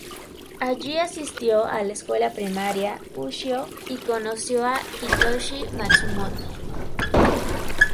Allí, asistió a la Escuela Primaria Ushio y conoció a Hitoshi Matsumoto.